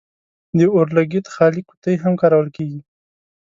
د اور لګیت خالي قطۍ هم کارول کیږي.